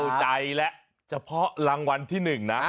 ใจแล้วเฉพาะรางวัลที่๑นะ